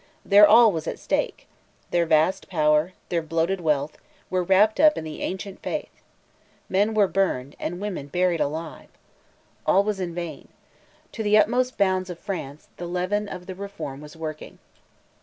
Their all was at stake: their vast power, their bloated wealth, were wrapped up in the ancient faith. Men were burned, and women buried alive. All was in vain. To the utmost bounds of France, the leaven of the Reform was working.